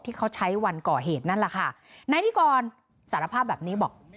ที่เขาใช้วันก่อเหตุนั่นแหละค่ะนายนิกรสารภาพแบบนี้บอก